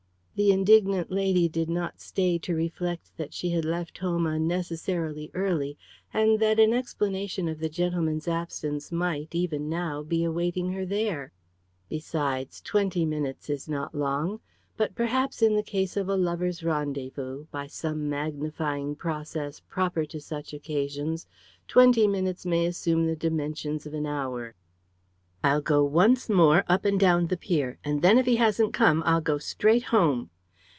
The indignant lady did not stay to reflect that she had left home unnecessarily early, and that an explanation of the gentleman's absence might, even now, be awaiting her there. Besides, twenty minutes is not long. But perhaps in the case of a lovers' rendezvous, by some magnifying process proper to such occasions, twenty minutes may assume the dimensions of an hour. "I'll go once more up and down the pier, and then if he hasn't come I'll go straight home.